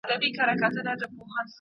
ذمي زموږ په امن کي دی.